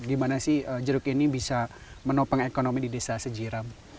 gimana sih jeruk ini bisa menopang ekonomi di desa sejiram